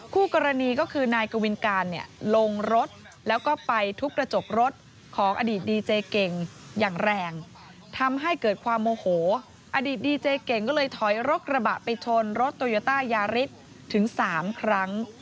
คู่กรณีก็คือนายกวินการเนี่ยลงรถแล้วก็ไปทุบกระจกรถของอดีตดีเจเก่งอย่างแรงทำให้เกิดความโมโหอดีตดีเจเก่งก็เลยถอยรถกระบะไปชนรถโตโยต้ายาริสถึง๓ครั้ง